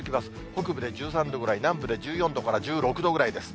北部で１３度ぐらい、南部で１４度から１６度ぐらいです。